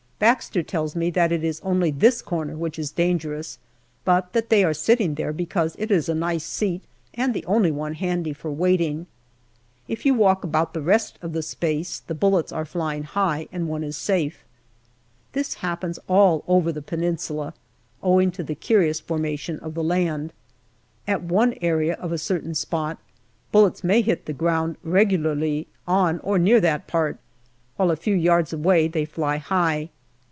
Baxter tells me that it is only this corner which is dangerous, but that they are sitting there because it is a nice seat and the only one handy for waiting. If you walk about the rest of the space, the bullets are flying high and one is safe. This happens all over the Peninsula, owing to the curious formation of the land. At one area of a certain spot, bullets may hit the ground regularly on or near that part, while a few yards away they fly high.